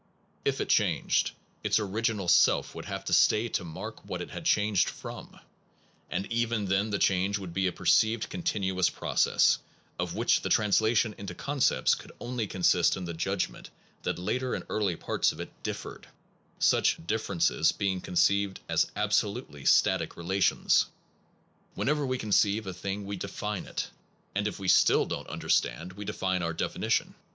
If it changed, its original self would have to stay to mark what it had changed from; and even then the change would be a perceived continuous process, of which the translation into concepts could only consist in the judgment that later and earlier parts of it differed such differences being conceived as absolutely static relations. Whenever we conceive a thing we define it ; Origin of an( j jf we s i{\\ don t understand, we intellect uaiism define our definition.